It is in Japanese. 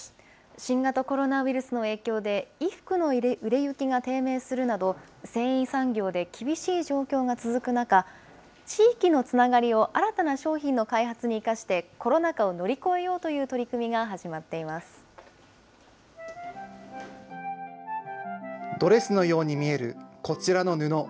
新型コロナウイルスの影響で、衣服の売れ行きが低迷するなど、繊維産業で厳しい状況が続く中、地域のつながりを新たな商品の開発に生かして、コロナ禍を乗り越えようという取り組みが始まってドレスのように見えるこちらの布。